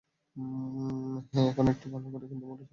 এখন একটু বলে রাখি, আমি কিন্তু মোটেই সংগীতবোদ্ধা নই, একেবারেই অজ্ঞ।